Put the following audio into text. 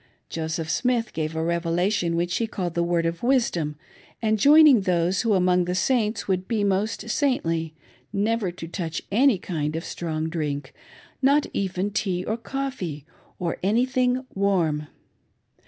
Joseph Smith gave a " revelation " which he called " The Word of Wisdom," enjoining those who among tjie Saints vfould be most saintly, never to touch any kind of ^rong drink ; not even tea or coffee, or anything warm.